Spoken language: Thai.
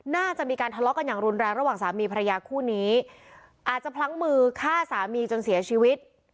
น่าจะมีการทะเลาะกันอย่างรุนแรงระหว่างสามีภรรยาคู่นี้อาจจะพลั้งมือฆ่าสามีจนเสียชีวิต